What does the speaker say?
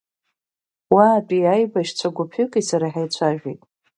Уаатәи аибашьцәа гәыԥҩыки сареи ҳаицәажәеит.